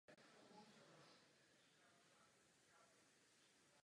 Dopustit, aby tu zemi postihl státní bankrot?